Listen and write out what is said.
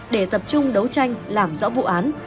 để tập trung đấu tranh làm rõ vụ án